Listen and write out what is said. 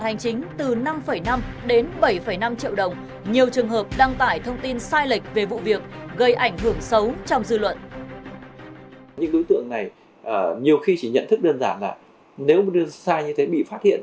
những đối tượng gây nhiều khi chỉ nhận thức đơn giản là nếu sai như thế bị phát hiện